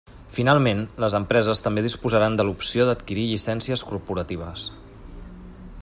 Finalment, les empreses també disposaran de l'opció d'adquirir llicències corporatives.